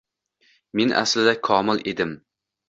men aslida komil edim!